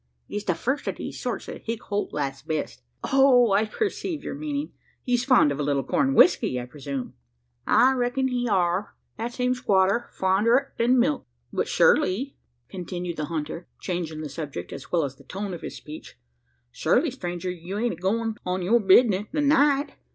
It's the first o' these sorts that Hick Holt likes best." "Oh! I perceive your meaning. He's fond of a little corn whisky, I presume?" "I reckon he are that same squatter fonder o't than milk. But surely," continued the hunter, changing the subject, as well as the tone of his speech "surely, stranger, you ain't a goin' on your bisness the night?"